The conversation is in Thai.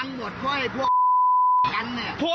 ผมไม่ได้ผิดอะไรเนี่ย